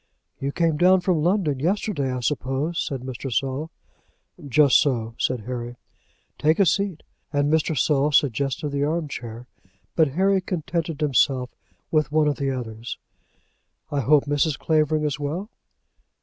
"You came down from London yesterday, I suppose?" said Mr. Saul. "Just so," said Harry. "Take a seat;" and Mr. Saul suggested the arm chair, but Harry contented himself with one of the others. "I hope Mrs. Clavering is well?"